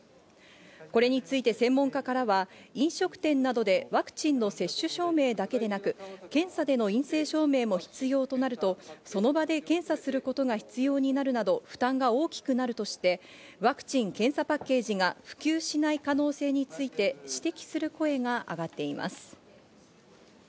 これについて専門家からは飲食店などでワクチンの接種証明だけでなく、検査での陰性証明も必要となると、その場で検査することが必要になるなど負担が大きくなるとして、ワクチン・検査パッケージが普及しない可能性について指摘する声が上がっています。